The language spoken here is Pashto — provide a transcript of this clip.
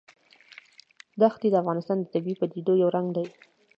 ښتې د افغانستان د طبیعي پدیدو یو رنګ دی.